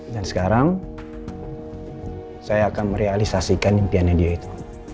dan sekarang saya akan merealisasikan impiannya dia itu